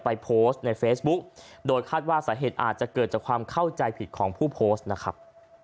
ไปโพสต์ในเฟซบุ๊กโดยคาดว่าสาเหตุอาจจะเกิดจากความเข้าใจผิดของผู้โพสต์นะครับ